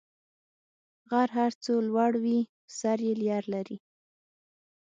غر هر څو لوړ وي، سر یې لېر لري.